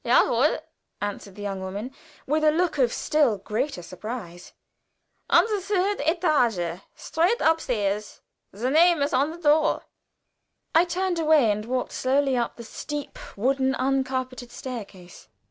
"Ja wohl!" answered the young woman, with a look of still greater surprise. "On the third étage, straight upstairs. The name is on the door." I turned away, and went slowly up the steep wooden uncarpeted staircase.